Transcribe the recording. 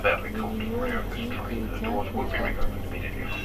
Dividió el yin y el yang con su hacha.